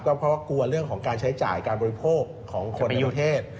เพราะว่ากลัวเรื่องของการใช้จ่ายการบริโภคของคนในยุเทศ